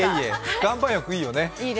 岩盤浴いいよね。